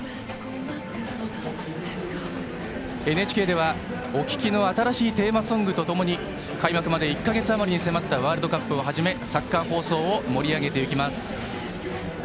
ＮＨＫではお聴きの新しいテーマソングとともに開幕まで１か月あまりに迫ったワールドカップをはじめサッカー放送を盛り上げていきます。